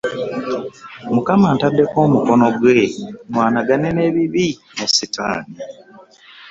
Mukama antaddeko omukono gwe nwanenga n'ebibi ne setaani.